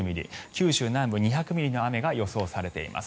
九州南部、２００ミリの雨が予想されています。